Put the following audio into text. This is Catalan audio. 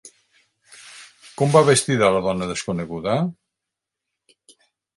Com va vestida La dona desconeguda?